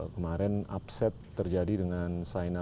kemaren upset terjadi dengan sainal